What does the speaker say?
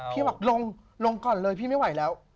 พี่บอกลงลงก่อนเลยพี่ไม่ไหวแล้ว